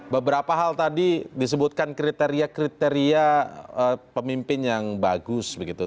beberapa hal tadi disebutkan kriteria kriteria pemimpin yang bagus begitu